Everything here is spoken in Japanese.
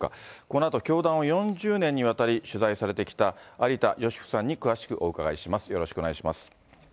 このあと教団を４０年にわたり取材されてきた、有田芳生さんに詳しくお伺いします。